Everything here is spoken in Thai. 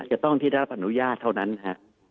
จะต้องที่รับอนุญาตเท่านั้นฮะ